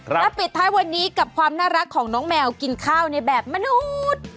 และปิดท้ายวันนี้กับความน่ารักของน้องแมวกินข้าวในแบบมนุษย์